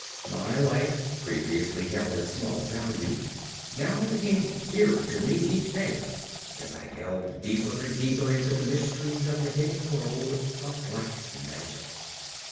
My life, previously held at small value, now became dearer to me each day, as I delved deeper and deeper into the mysteries of the hidden world of black magic.